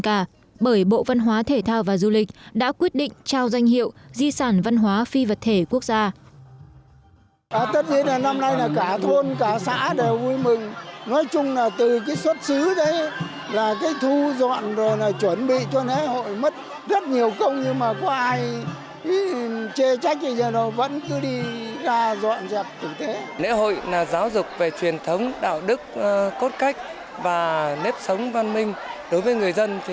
cả bởi bộ văn hóa thể thao và du lịch đã quyết định trao danh hiệu di sản văn hóa phi vật thể quốc gia